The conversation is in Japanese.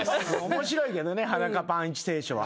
面白いけどね裸パンいち聖書は。